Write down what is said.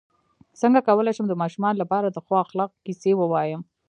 څنګه کولی شم د ماشومانو لپاره د ښو اخلاقو کیسې ووایم